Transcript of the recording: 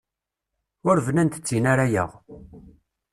Ur bnant d tin ara yaɣ.